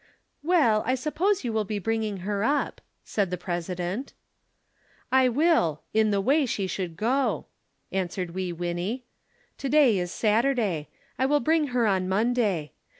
"Well, I suppose you will be bringing her up," said the President. "I will in the way she should go;" answered Wee Winnie. "To day is Saturday; I will bring her on Monday.